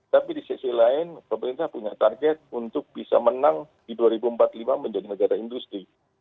tapi di sisi lain pemerintah punya target untuk bisa menang di dua ribu empat puluh lima menjadi negara industri